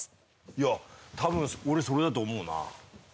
いや多分俺それだと思うな。